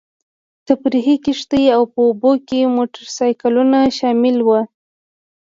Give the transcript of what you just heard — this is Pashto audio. تفریحي کښتۍ او په اوبو کې موټرسایکلونه شامل وو.